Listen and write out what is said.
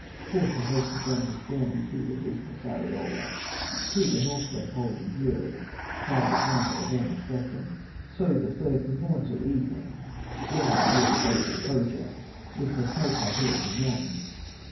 Forth he hastens on his journey, To the dismal Sariola, To the Northland cold and dreary; Travels one day, then a second, So the third from morn till evening, When appear the gates of Pohya, With her snow clad hills and mountains.